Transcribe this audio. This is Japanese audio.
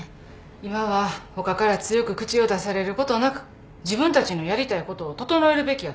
今は他から強く口を出されることなく自分たちのやりたいことを整えるべきやと思う。